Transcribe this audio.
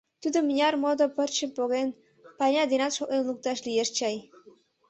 Тудо мыняр модо пырчым поген — парня денат шотлен лукташ лиеш чай.